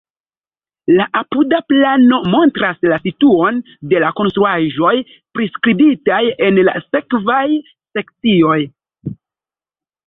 La apuda plano montras la situon de la konstruaĵoj priskribitaj en la sekvaj sekcioj.